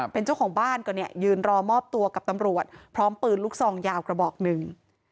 เป็นเจ้าของบ้านก็เนี่ยยืนรอมอบตัวกับตำรวจพร้อมปืนลูกซองยาวกระบอกหนึ่ง